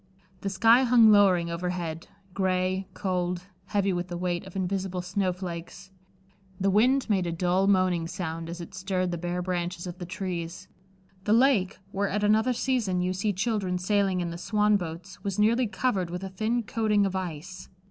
The sky hung lowering overhead, gray, cold, heavy with the weight of invisible snowflakes. The wind made a dull moaning sound, as it stirred the bare branches of the trees. The lake, where at another season you see children sailing in the swan boats, was nearly covered with a thin coating of ice.